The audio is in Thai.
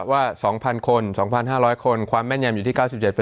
ว่า๒๕๐๐คนความแม่นแยมอยู่ที่๙๗